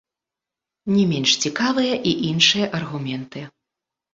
Не менш цікавыя і іншыя аргументы.